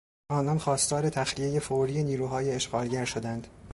آنان خواستار تخلیهی فوری نیروهای اشغالگر شدند.